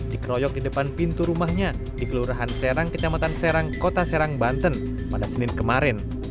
dikeroyok di depan pintu rumahnya di kelurahan serang kecamatan serang kota serang banten pada senin kemarin